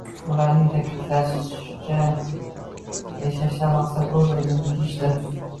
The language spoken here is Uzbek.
Ularning ta’kidlashlaricha, yashashdan maqsad o‘z-o‘zini tiyishdir